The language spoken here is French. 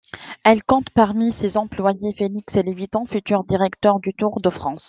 Elle compte parmi ses employés Félix Lévitan, futur directeur du Tour de France.